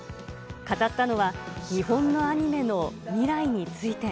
語ったのは、日本のアニメの未来について。